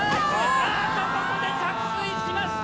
ああっとここで着水しました！